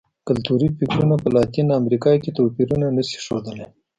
کلتوري فکټورونه په لاتینه امریکا کې توپیرونه نه شي ښودلی.